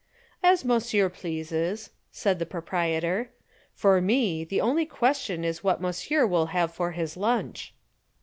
"As monsieur pleases," replied the proprietor. "For me the only question is what monsieur will have for his lunch."